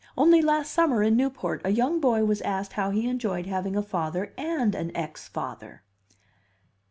Only last summer, in Newport, a young boy was asked how he enjoyed having a father and an ex father."